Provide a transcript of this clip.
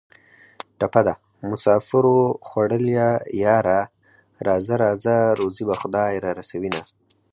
ټپه ده: مسافرو خوړلیه یاره راځه راځه روزي به خدای را رسوینه